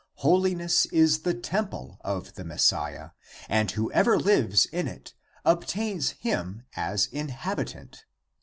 Holi ness is the temple of the Messiah, and whoever lives in it obtains him as inhabitant.